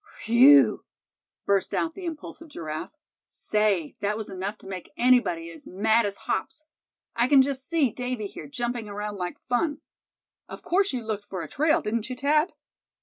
"Whew!" burst out the impulsive Giraffe, "say, that was enough to make anybody as mad as hops. I can just see Davy here jumping around like fun. Of course you looked for a trail, didn't you, Thad?"